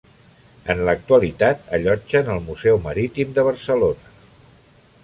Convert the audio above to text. En l'actualitat allotgen el Museu Marítim de Barcelona.